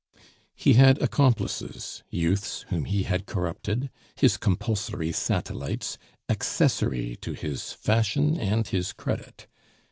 He had accomplices, youths whom he had corrupted, his compulsory satellites, accessory to his fashion and his credit.